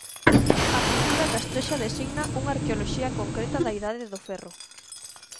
A cultura castrexa designa unha arqueoloxía concreta da Idade do Ferro.